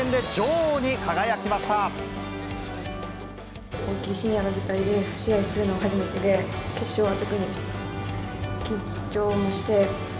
大きなシニアの舞台で試合するのは初めてで、決勝は特に緊張もして。